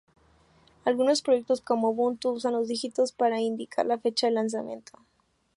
Algunos proyectos, como Ubuntu, usan los dígitos para indicar la fecha de lanzamiento.